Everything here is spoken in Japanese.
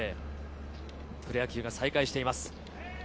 プロ野球が再開しています。